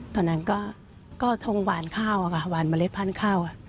ตอนนั้นก็ก็ทรงหวานข้าวอ่ะค่ะหวานเมล็ดพ่านข้าวอ่ะ